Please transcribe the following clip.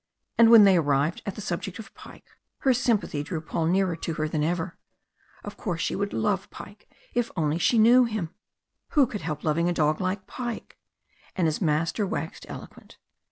And when they arrived at the subject of Pike, her sympathy drew Paul nearer to her than ever. Of course she would love Pike if she only knew him! Who could help loving a dog like Pike? And his master waxed eloquent.